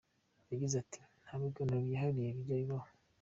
Yagize ati:” Nta biganiro byihariye bijya bibaho.